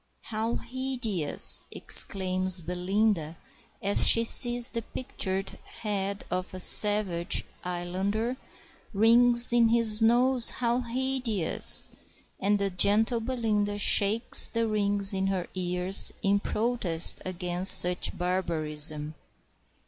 "How hideous!" exclaims Belinda, as she sees the pictured head of the savage islander, "rings in his nose! how hideous!" And the gentle Belinda shakes the rings in her ears in protest against such barbarism.